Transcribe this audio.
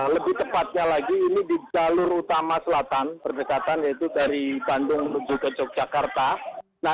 lebih tepatnya lagi ini di jalur utama selatan berdekatan yaitu dari bandung menuju ke yogyakarta